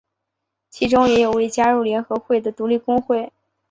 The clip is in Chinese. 其中也有未加入联合会的独立工会。